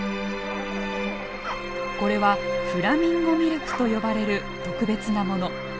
これはフラミンゴミルクと呼ばれる特別なもの。